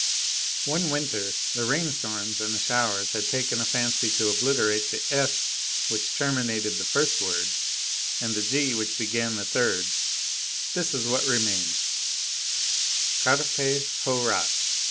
One winter, the rain storms and the showers had taken a fancy to obliterate the S which terminated the first word, and the G which began the third; this is what remained:— CARPE HO RAS.